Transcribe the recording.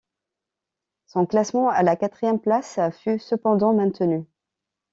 Son classement à la quatrième place fut cependant maintenu.